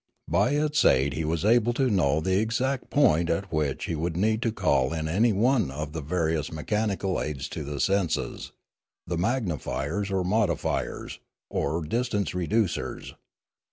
By its aid he was able to know the exact point at which he would need to call in any one of the My Education Contkjued 269 various mechanical aids to the senses, the magnifiers, or modifiers, or distance reducers.